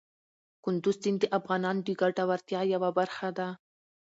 کندز سیند د افغانانو د ګټورتیا یوه برخه ده.